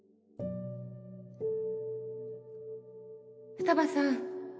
二葉さん